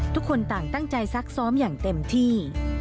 ทุกคนต่างตั้งใจซักซ้อมอย่างเต็มที่